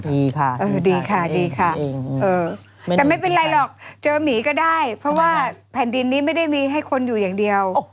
ดีค่ะดีค่ะดีค่ะแต่ไม่เป็นไรหรอกเจอหมีก็ได้เพราะว่าแผ่นดินนี้ไม่ได้มีให้คนอยู่อย่างเดียว